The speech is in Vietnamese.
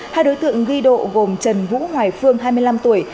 hai đối tượng ghi độ gồm trần vũ hoài phương hai mươi năm tuổi